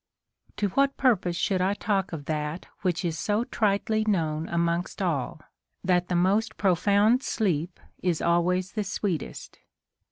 To what purpose should I talk of that which is so tritely known amongst all, that the most pro found sleep is always the sΛveetest